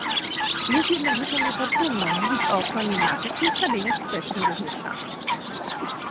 Jest jednak rzeczą niefortunną mówić o ochronie matek w zestawieniu z kwestią równych szans